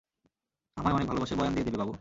আমায় অনেক ভালোবাসে, বয়ান দিয়ে দিবে, বাবু।